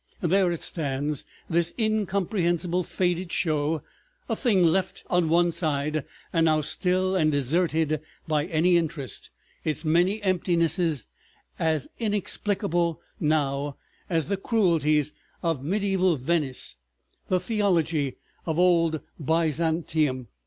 There it stands, this incomprehensible faded show, a thing left on one side, and now still and deserted by any interest, its many emptinesses as inexplicable now as the cruelties of medieval Venice, the theology of old Byzantium.